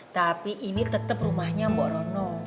tapi ini tetep rumahnya mbak rono